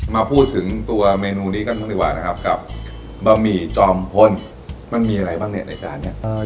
มาพูดถึงตัวเมนูนี้กันบ้างดีกว่านะครับกับบะหมี่จอมพลมันมีอะไรบ้างเนี่ยในจานนี้